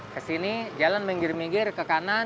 kesini jalan minggir minggir ke kanan